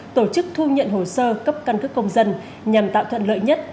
tổ chức thu nhận hồ sơ cấp căn cước công dân nhằm tạo thuận lợi nhất